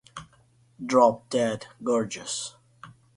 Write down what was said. Drop Dead Gorgeous